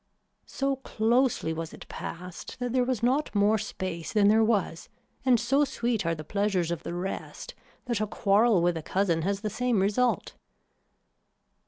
So closely was it passed that there was not more space than there was and so sweet are the pleasures of the rest that a quarrel with a cousin has the same result.